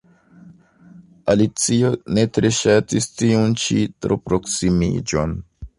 Alicio ne tre ŝatis tiun ĉi troproksimiĝon.